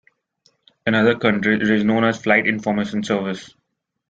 In other countries it is known as "Flight Information Service".